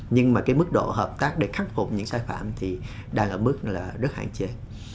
nhưng mà cái mức độ hợp tác để khắc phục những sai phạm thì đang ở mức là rất hạn chế